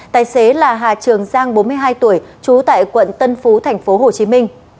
tài xế là hà trường giang bốn mươi hai tuổi trú tại quận tân phú tp hcm